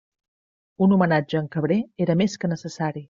Un homenatge a en Cabré era més que necessari.